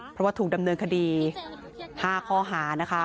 เพราะว่าถูกดำเนินคดี๕ข้อหานะคะ